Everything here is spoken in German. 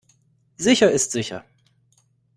Sicher ist sicher.